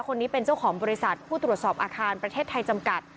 คนนี้เป็นเจ้าของบริษัทผู้ตรวจสอบอาคารประเทศไทยจำกัด